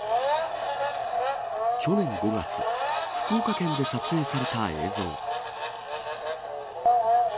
去年５月、福岡県で撮影された映像。